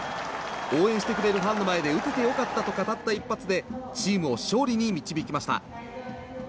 応援してくれるファンの前で打てて良かったと語る一発でチームを勝利に導きました。